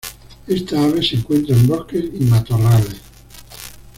Esta ave se encuentra en bosques y matorrales.